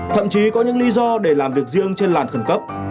thậm chí có những lý do để làm việc riêng trên làn khẩn cấp